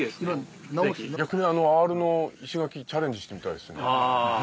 逆にアールの石垣チャレンジしてみたいですね。